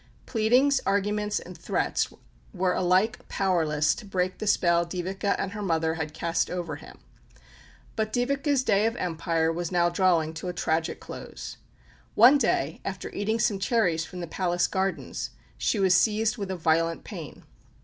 Pleadings, arguments, and threats were alike powerless to break the spell Dyveke and her mother had cast over him. But Dyveke's day of empire was now drawing to a tragic close. One day, after eating some cherries from the palace gardens, she was seized with a violent pain.